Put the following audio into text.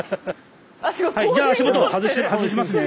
はいじゃあ足元外しますね。